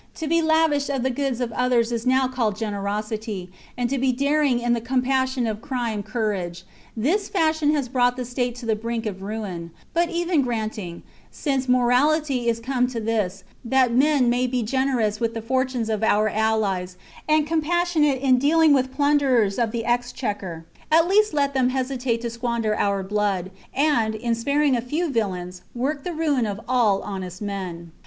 To be lavish of the goods of others is nov/ called generosity, and to be daring in the com mission of crime courage. This fashion has brought the state to the brink of ruin ; but even granting, since morality is come to this, that men may be gener THE CONSPIRACY OF CATILINE. 5 1 ous with the fortunes of our allies, and compassionate chap. in dealing with plunderers of the exchequer, at least let them hesitate to squander our blood, and, in spar ing a few villains, work the ruin of all honest men.